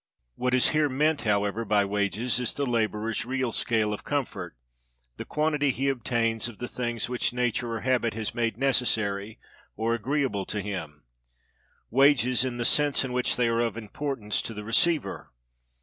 What is here meant, however, by wages, is the laborer's real scale of comfort; the quantity he obtains of the things which nature or habit has made necessary or agreeable to him: wages in the sense in which they are of importance to the receiver.